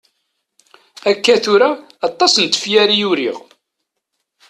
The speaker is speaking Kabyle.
Akka tura, aṭas n tefyar i uriɣ.